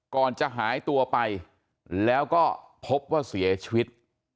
ก่อนจะหายตัวไปแล้วก็พบว่าเสียชีวิต